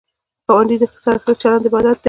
ګاونډی سره ښه چلند عبادت دی